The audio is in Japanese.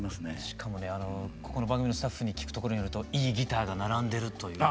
しかもねここの番組のスタッフに聞くところによるといいギターが並んでるという。